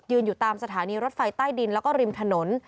อยู่ตามสถานีรถไฟใต้ดินแล้วก็ริมถนน